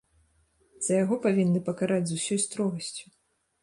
За яго павінны пакараць з усёй строгасцю.